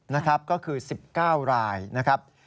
นะครับก็คือ๑๙รายนะครับ